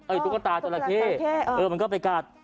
ตุ๊กตาจราเข้มันก็ไปกัด